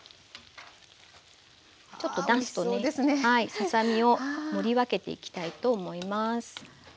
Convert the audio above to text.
ささ身を盛り分けていきたいと思います。